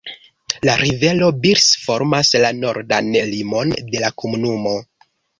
La rivero Birs formas la nordan limon de la komunumo.